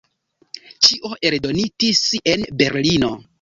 Ĉio eldonitis en Berlino.